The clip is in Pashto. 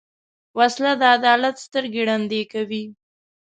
وسله د عدالت سترګې ړندې کوي